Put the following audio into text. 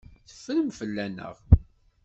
Teffrem fell-aneɣ.